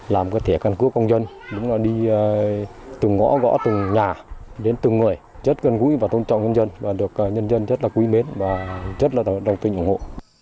làm cơ thể căn cứ công dân đi từng ngõ gõ từng nhà đến từng người rất gần gũi và tôn trọng nhân dân được nhân dân rất là quý mến và rất là đồng tình ủng hộ